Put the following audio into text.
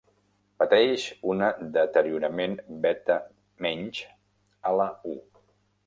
Pateix una deteriorament beta-menys a la U.